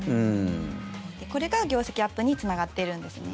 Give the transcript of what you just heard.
これが業績アップにつながっているんですね。